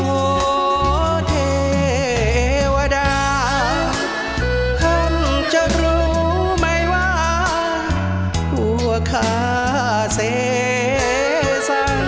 ขอเทวดาท่านจะรู้ไหมว่าหัวขาเส